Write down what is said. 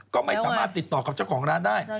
ก็ไม่สามารถติดต่อกับเจ้าของร้านได้